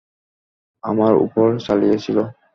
আমার উপর চালিয়েছিল।